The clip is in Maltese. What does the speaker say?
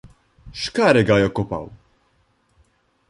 X'kariga jokkupaw?